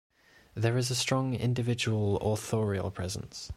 There is a strong individual, authorial presence.